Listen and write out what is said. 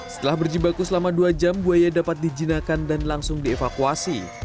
setelah berjibaku selama dua jam buaya dapat dijinakan dan langsung dievakuasi